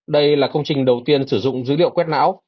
đây là công trình đầu tiên sử dụng dữ liệu quét mã